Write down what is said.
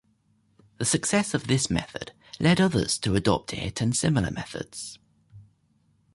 The success of this method led others to adopt it and similar methods.